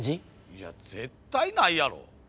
いや絶対ないやろ。